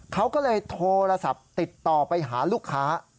เขาก็เลยโทรศัพท์ติดต่อไปหาลูกค้า